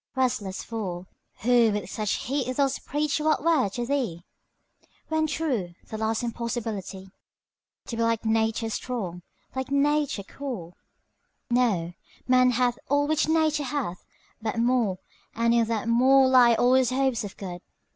Restless fool, Who with such heat dost preach what were to thee, When true, the last impossibility To be like Nature strong, like Nature cool! Know, man hath all which Nature hath, but more, And in that more lie all his hopes of good.